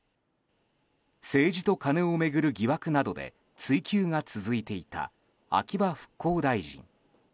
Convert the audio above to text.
政治とカネを巡る疑惑などで追及が続いていた秋葉復興大臣。